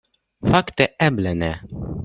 Fakte, eble ne.